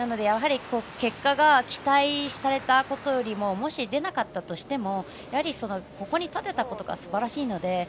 やはり結果が期待されたことよりももし、出なかったとしてもやはり、ここに立てたことがすばらしいので。